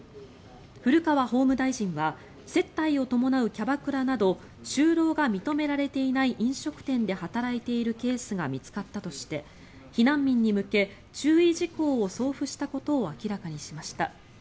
古川法務大臣は接待を伴うキャバクラなど就労が認められていない飲食店で働いているケースが見つかったとして避難民に向け注意事項を送付したことを明らかにしました。